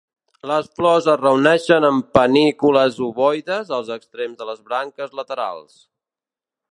Les flors es reuneixen en panícules ovoides als extrems de les branques laterals.